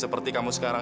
seperti kamu sekarang